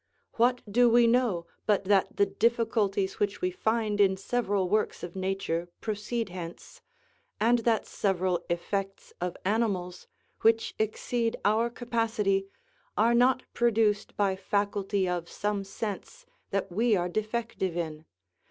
What do we know but that the difficulties which we find in several works of nature proceed hence; and that several effects of animals, which exceed our capacity, are not produced by faculty of some sense that we are defective in?